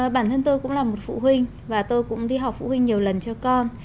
bản thân tôi cũng là một phụ huynh và tôi cũng đi học phụ huynh nhiều lần cho con